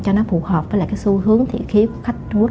cho nó phù hợp với lại cái xu hướng thị khí của khách trung quốc